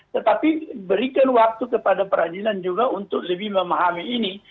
tetapi berikan waktu kepada peradilan juga untuk lebih memahami ini